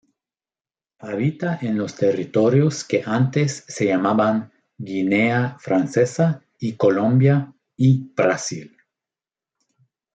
Habita en los territorios que antes se llamaban Guinea Francesa y Colombia y Brasil.